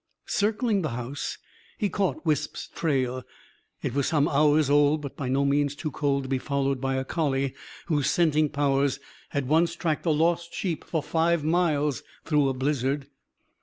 Circling the house, he caught Wisp's trail. It was some hours old; but by no means too cold to be followed by a collie whose scenting powers had once tracked a lost sheep for five miles through a blizzard.